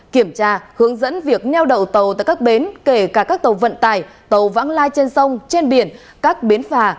kiểm tra hướng dẫn việc neo đậu tàu tại các bến kể cả các tàu vận tải tàu vãng lai trên sông trên biển các bến phà